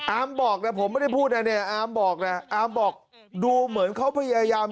อ้าวผมไม่ได้พูดนะเนี่ยอามบอกดูเหมือนเขาพยายาม